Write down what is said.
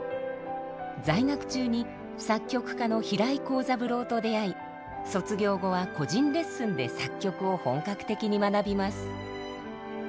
在学中に作曲家の平井康三郎と出会い卒業後は個人レッスンで作曲を本格的に学びます。